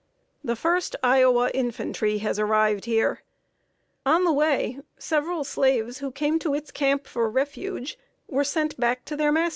The First Iowa Infantry has arrived here. On the way, several slaves, who came to its camp for refuge, were sent back to their masters.